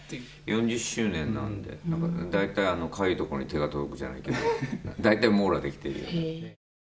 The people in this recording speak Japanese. ４０周年なんで大体かゆいところに手が届くじゃないけど大体、網羅できているような。